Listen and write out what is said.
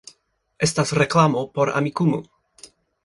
Estas reklamo por Amikumu